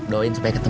doain supaya ketemu